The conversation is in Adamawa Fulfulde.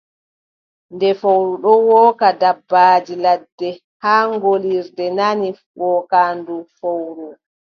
Nde fowru ɗon wooka, dabbaaji ladde haa ngoolirde nani wookaandu fowru.